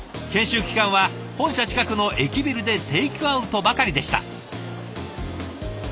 研修期間は本社近くの駅ビルでテイクアウトばかりでした。